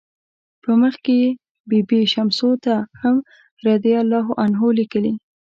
په مخ کې بي بي شمسو ته هم "رضی الله عنه" لیکي.